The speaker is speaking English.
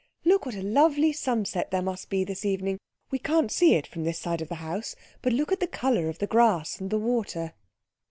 Look what a lovely sunset there must be this evening. We can't see it from this side of the house, but look at the colour of the grass and the water."